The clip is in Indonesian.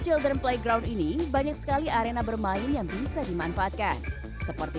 children playground ini banyak sekali arena bermain yang bisa dimanfaatkan seperti